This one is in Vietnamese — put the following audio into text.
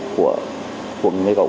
của người cậu